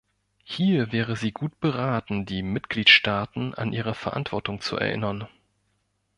Hier wäre sie gut beraten, die Mitgliedstaaten an ihre Verantwortung zu erinnern.